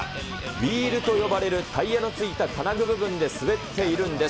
リールと呼ばれるタイヤのついた金具の部分で滑っているんです。